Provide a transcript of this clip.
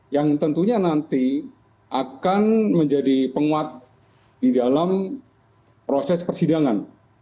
yang tentunya nanti akan menjadi penguat di dalam proses persidangan